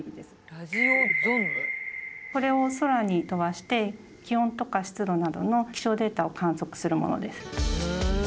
これを空に飛ばして気温とか湿度などの気象データを観測するものです。